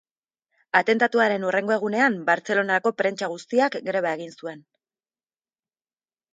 Atentatuaren hurrengo egunean Bartzelonako prentsa guztiak greba egin zuen.